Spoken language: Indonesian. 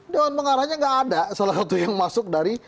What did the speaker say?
dewan pengarahnya nggak ada salah satu yang masuk dari